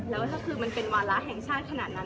แล้วถ้าคือมันเป็นวาระแห่งชาติขนาดนั้น